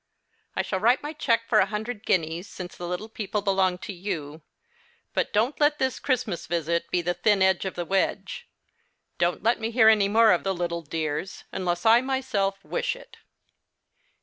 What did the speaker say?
I shall write my cheque for a hundred guineas, since the little people belong to you ; but don't let this Christmas visit be the thin end of the wedge. Don't let me hear any more of the little dears, unless I myself wish it.